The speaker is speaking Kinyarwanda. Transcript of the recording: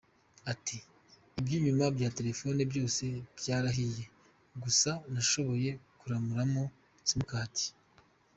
Ati “Iby’inyuma bya telefone byose byarahiye, gusa nashoboye kuramuramo simukadi.